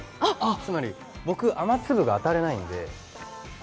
つまり、僕、雨粒が当たれないので。